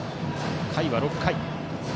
回は６回。